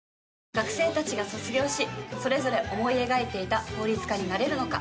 学生たちが卒業しそれぞれ思い描いていた法律家になれるのか。